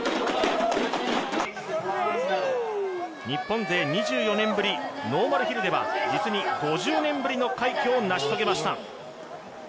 日本勢２４年ぶりノーマルヒルでは、実に５０年ぶりの快挙を成し遂げました。